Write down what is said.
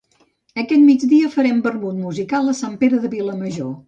Aquest migdia farem vermut musical a Sant Pere de Vilamajor